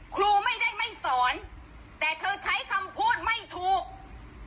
ครูไม่ได้ไม่สอนแต่เธอใช้คำพูดไม่ถูก